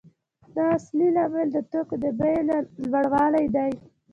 دا اصلي لامل د توکو د بیې لوړوالی دی